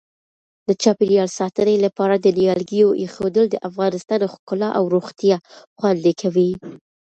د چاپیریال ساتنې لپاره د نیالګیو اېښودل د افغانستان ښکلا او روغتیا خوندي کوي.